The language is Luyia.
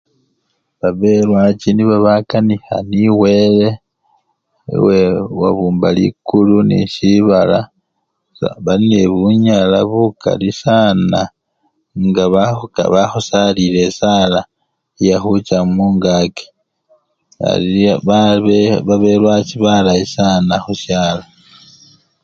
Babelwachi nibo babakanikha nende wele, wele wabumba likulu neshibala, bali nebunyala bukali saana nga bakhusalile yekhucha mungaki, babelwachi balayi sana khushalo.